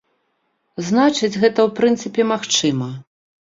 Значыць, гэта ў прынцыпе магчыма.